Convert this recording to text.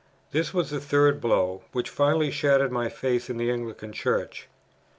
This was the third blow, which finally shattered my faith in the Anglican Church.